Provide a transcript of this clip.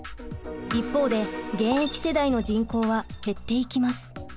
一方で現役世代の人口は減っていきます。